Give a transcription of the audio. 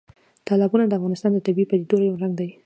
تالابونه د افغانستان د طبیعي پدیدو یو رنګ دی.